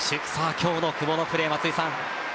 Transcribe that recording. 今日の久保のプレーは、松井さん。